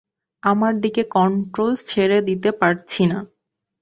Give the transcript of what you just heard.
আমার দিকে কন্ট্রোল ছেড়ে দিতে পারছি না।